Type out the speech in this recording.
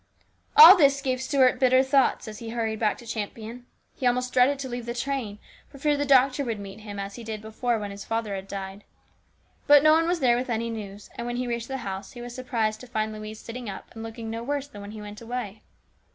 All this gave Stuart bitter thoughts as he hurried back to Champion. He almost dreaded to leave the train, for fear the doctor would meet him, as he did before when his father had died. But no one was there with any news, and when he reached the house he was surprised to find Louise sitting up and looking no worse than when he went away.